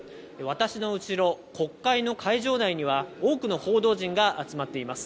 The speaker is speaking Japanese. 私の後ろ、国会の会場内には多くの報道陣が集まっています。